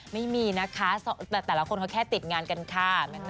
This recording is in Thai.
ไม่มีนะคะแต่แต่ละคนเขาแค่ติดงานกันค่ะ